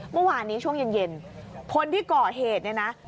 เมื่อวานนี้ช่วงเย็นคนที่ก่อเหตุเนี่ยนะ